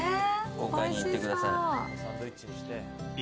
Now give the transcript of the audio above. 豪快にいってください。